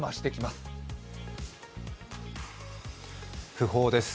訃報です。